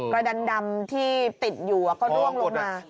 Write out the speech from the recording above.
กระดันดำที่ติดอยู่ก็ร่วงลงมา